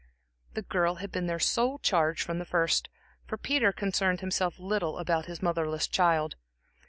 The girl had been their sole charge from the first, for Peter concerned himself little about his motherless child.